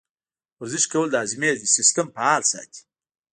ورزش کول د هاضمې سیستم فعال ساتي.